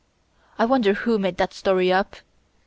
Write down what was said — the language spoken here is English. I wonder who made that story up?